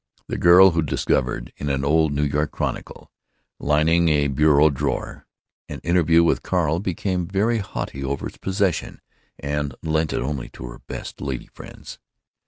The girl who discovered, in an old New York Chronicle lining a bureau drawer, an interview with Carl, became very haughty over its possession and lent it only to her best lady friends.